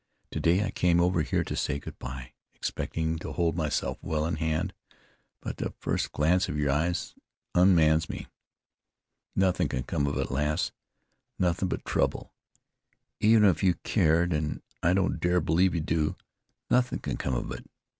Today I came over here to say good bye, expectin' to hold myself well in hand; but the first glance of your eyes unmans me. Nothin' can come of it, lass, nothin' but trouble. Even if you cared, an' I don't dare believe you do, nothin' can come of it!